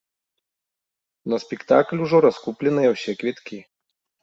На спектакль ужо раскупленыя ўсе квіткі.